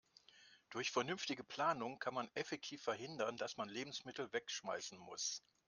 Durch vernünftige Planung kann man effektiv verhindern, dass man Lebensmittel wegschmeißen muss.